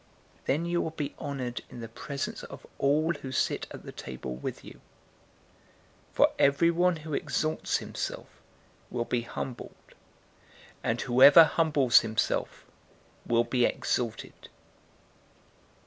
Then you will be honored in the presence of all who sit at the table with you. 014:011 For everyone who exalts himself will be humbled, and whoever humbles himself will be exalted."